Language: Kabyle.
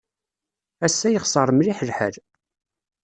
Ass-a yexṣer mliḥ lḥal.